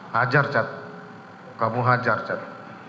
hajar chad kamu hajar chad